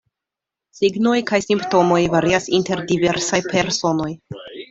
Signoj kaj simptomoj varias inter diversaj personoj.